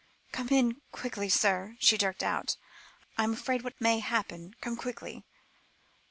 "Come in quickly, sir," she jerked out. "I am afraid what may happen come quickly!"